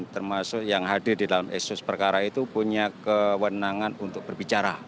termasuk yang hadir di dalam ekses perkara itu punya kewenangan untuk berbicara